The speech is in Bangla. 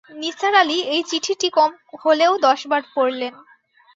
নিসার আলি এই চিঠিটি কম হলেও দশ বার পড়লেন।